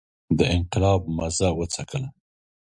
د انقلاب مزه وڅکله.